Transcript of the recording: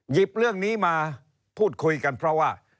เรื่องนี้มาพูดคุยกันเพราะว่า